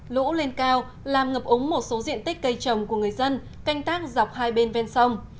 lũ lên cao làm ngập ống một số diện tích cây trồng của người dân canh tác dọc hai bên ven sông